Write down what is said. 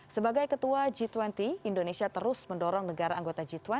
sebagai ketua g dua puluh indonesia terus mendorong negara anggota g dua puluh